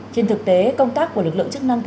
trên thực tế công tác của lực lượng chức năng